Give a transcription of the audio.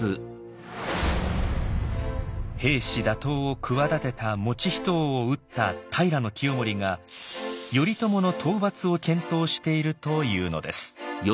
平氏打倒を企てた以仁王を討った平清盛が頼朝の討伐を検討しているというのです。